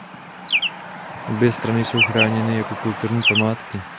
Obě stavby jsou chráněny jako kulturní památky.